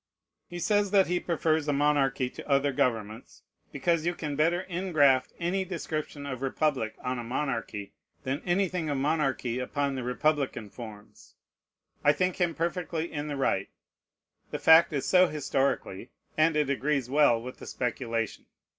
He says that he prefers a monarchy to other governments, because you can better ingraft any description of republic on a monarchy than anything of monarchy upon the republican forms. I think him perfectly in the right. The fact is so historically, and it agrees well with the speculation.